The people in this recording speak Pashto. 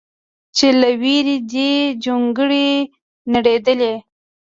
چې له ویرې دې جونګړې نړېدلې